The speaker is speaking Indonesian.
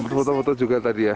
foto foto juga tadi ya